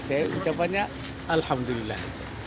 saya ucapannya alhamdulillah